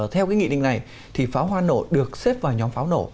theo cái nghị định này thì pháo hoa nổ được xếp vào nhóm pháo nổ